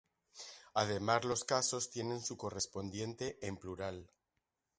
Además los casos tienen su correspondiente en plural.